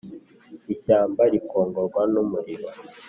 Ishyamba rikongorwa n’umuriro